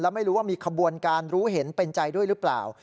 ไม่รู้ว่ามีขบวนการรู้เห็นเป็นใจด้วยหรือเปล่า